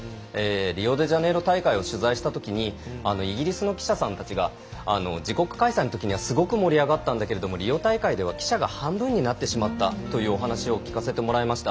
リオデジャネイロ大会を取材したときにイギリスの記者さんたちが自国開催のときにはすごく盛り上がったんだけどリオ大会では記者が半分になってしまったというお話を聞かせてもらいました。